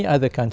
và thị trường